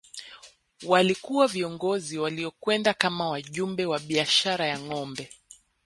Walikuwa viongozi waliokwenda kama wajumbe wa biashara ya ngombe